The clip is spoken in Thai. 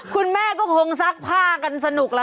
คุณแม่ก็คงซักผ้ากันสนุกละ